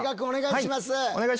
お願いします。